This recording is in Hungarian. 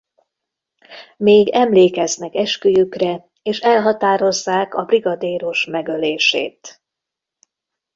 Még emlékeznek esküjükre és elhatározzák a brigadéros megölését.